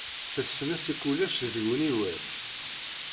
Tessen-as i kullec deg uniwel.